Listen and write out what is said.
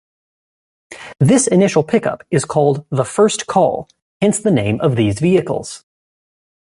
This initial pickup is called the "first call", hence the name of these vehicles.